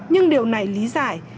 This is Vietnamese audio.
nhưng điều này lý giải